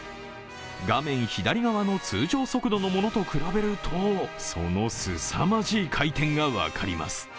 画面左側の通常速度のものと比べると、そのすさまじい回転が分かります。